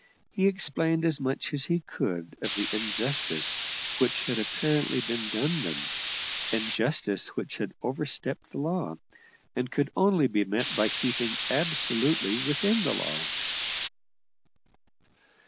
He explained as much as he could of the injustice which had apparently been done them injustice which had overstepped the law, and could only be met by keeping absolutely within the law.